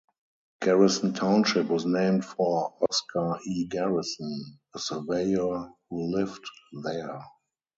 Garrison Township was named for Oscar E. Garrison, a surveyor who lived there.